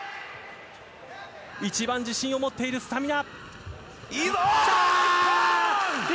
一番自信を持っているスタミナ。